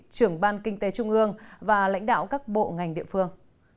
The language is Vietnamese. trưởng ban kinh tế trung ương và lãnh đạo các bộ ngành địa phương